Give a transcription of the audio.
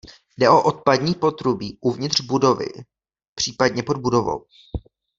Jde o odpadní potrubí uvnitř budovy případně pod budovou.